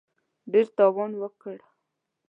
ډېر تاوان وکړ.